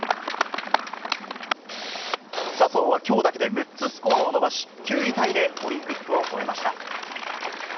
笹生は今日だけで、６つスコアを伸ばし、９位タイでオリンピックを終えました。